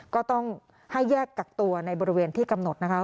ก็ต้องให้แยกกักตัวในบริเวณที่กำหนดนะคะ